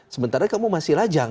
sementara kamu masih lajang